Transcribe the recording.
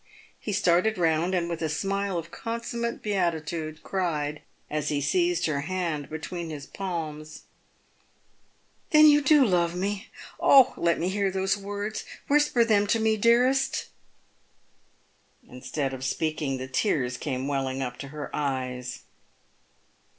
He started round, and, with a smile of consummate beatitude, cried, as he seized her head between his palms, " Then you do love me ! Oh ! let me hear those words. Whisper them to me, dearest." Instead of speaking, the tears came welling up to her eyes.